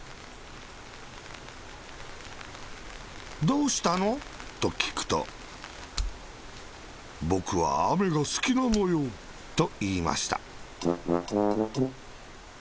「どうしたの？」ときくと、「ぼくは、あめがすきなのよ。」といいました。